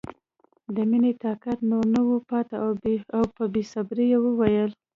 د مینې طاقت نور نه و پاتې او په بې صبرۍ یې وویل